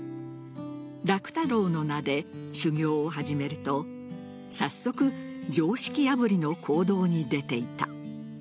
楽太郎の名で修業を始めると早速、常識破りの行動に出ていた。